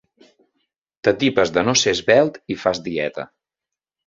T'atipes de no ser esvelt i fas dieta.